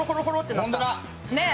ねえ。